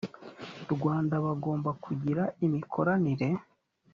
rwanda bagomba kugira imikoranire